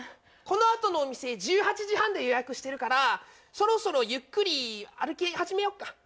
このあとのお店１８時半で予約してるからそろそろゆっくり歩き始めようか。